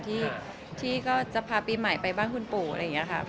ที่ก็จะพาปีใหม่ไปบ้านคุณปู่อะไรอย่างนี้ค่ะ